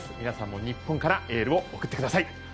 皆さんも日本からエールを送ってください。